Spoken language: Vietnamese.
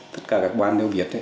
tất cả các quán đều biết